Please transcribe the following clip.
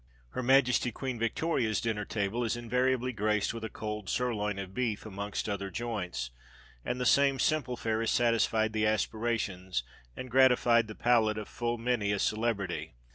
Her Majesty Queen Victoria's dinner table is invariably graced with a cold sirloin of beef, amongst other joints; and the same simple fare has satisfied the aspirations and gratified the palate of full many a celebrity.